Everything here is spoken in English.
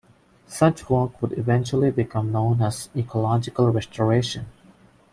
Such work would eventually become known as ecological restoration.